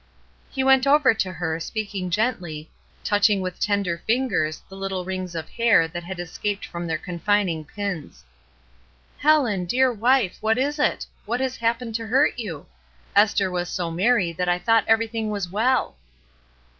He went over to her, speaking gently, touch ing with tender fingers the httle rmgs of hair that had escaped from their confining pins. '^ Helen, dear wife, what is it? What has hap pened to hurt you? Esther was so merry that I thought everything was well."